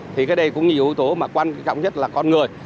thì cái đây cũng nhiều yếu tố mà quan trọng nhất là con người